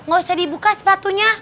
gak usah dibuka sepatunya